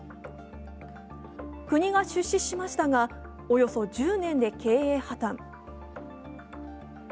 国が出資しましたが、およそ１０年で経営破綻。